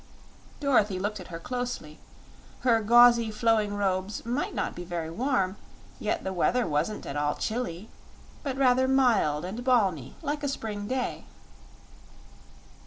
Dorothy looked at her closely. Her gauzy flowing robes might not be very warm, yet the weather wasn't at all chilly, but rather mild and balmy, like a spring day.